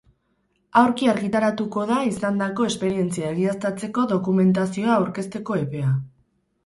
Aurki argitaratuko da izandako esperientzia egiaztatzeko dokumentazioa aurkezteko epea.